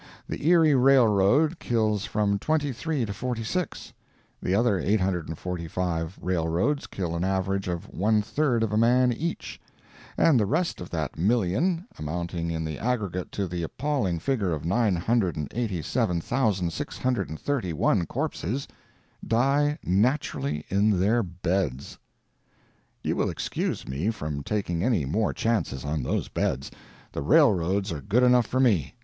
The Erie railroad kills from 23 to 46; the other 845 railroads kill a average of one third of a man each; and the rest of that million, amounting in the aggregate to the appalling figure of nine hundred and eighty seven thousand six hundred and thirty one corpses, die naturally in their beds! You will excuse me from taking any more chances on those beds. The railroads are good enough for me.